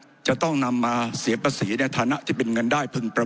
ผมจะขออนุญาตให้ท่านอาจารย์วิทยุซึ่งรู้เรื่องกฎหมายดีเป็นผู้ชี้แจงนะครับ